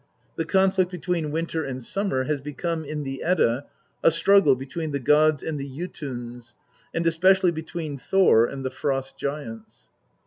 The conflict between Winter and Summer has become in the Edda a struggle between the gods and the Jotuns, and especially one between Thor and the Frost giants.